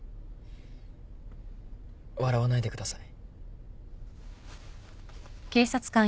笑わないでください。